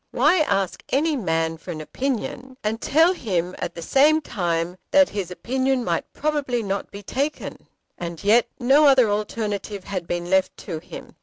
Why ask any man for an opinion, and tell him at the same time that his opinion might probably not be taken? And yet no other alternative had been left to him.